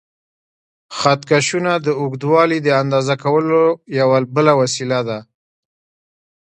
خط کشونه د اوږدوالي د اندازه کولو یوه بله وسیله ده.